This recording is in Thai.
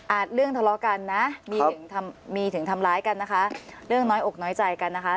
เรื่องทะเลาะกันนะมีถึงทำมีถึงทำร้ายกันนะคะเรื่องน้อยอกน้อยใจกันนะคะ